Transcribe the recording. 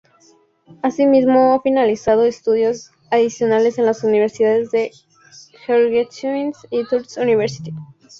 Así mismo, ha finalizado estudios adicionales en las Universidades de Georgetown y Tufts University.